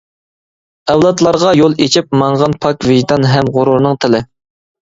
ئەۋلادلارغا يول ئېچىپ ماڭغان پاك ۋىجدان ھەم غۇرۇرنىڭ تىلى!